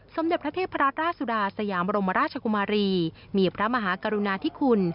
สมเด็จพระเทพราชสุดาสยามบรมราชกุมารีมีพระมหากรุณาธิคุณ